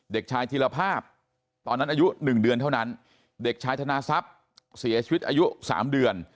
เด็กชายธิรภาพตอนนั้นอายุ๑เดือนเท่านั้นเด็กชายธนาทรัพย์เสียชีวิตอายุ๓เดือน